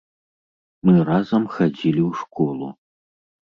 Мы разам хадзілі ў школу.